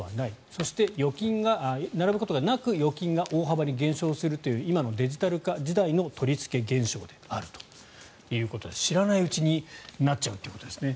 そして、並ぶことがなく預金が大幅に減少するという今のデジタル化時代の取り付け現象ということで知らないうちになっちゃうということですね。